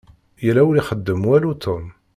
Yella ur ixeddem walu Tom.